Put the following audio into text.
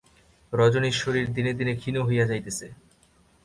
রজনীর শরীর দিনে দিনে ক্ষীণ হইয়া যাইতেছে।